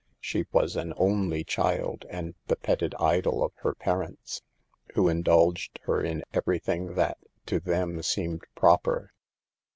She was an only child and the petted idol of her parents, who in dulged her in everything that to them seemed proper.